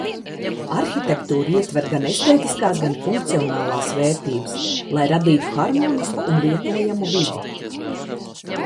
Arhitektūra ietver gan estētiskās, gan funkcionālās vērtības, lai radītu harmonisku un lietojamu vidi.